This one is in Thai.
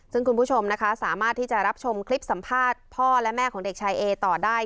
ซึ่งคุณผู้ชมนะคะสามารถที่จะรับชมคลิปสัมภาษณ์พ่อและแม่ของเด็กชายเอต่อได้